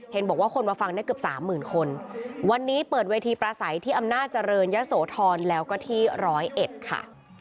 เห็นบอกว่าคนมาฟังได้เกือบสามหมื่นคนวันนี้เปิดเวทีประสัยที่อำนาจเจริญยะโสธรแล้วก็ที่ร้อยเอ็ดค่ะ